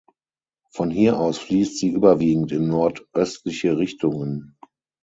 Von hier aus fließt sie überwiegend in nordöstliche Richtungen.